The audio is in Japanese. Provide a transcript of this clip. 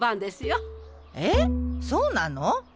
えっそうなの？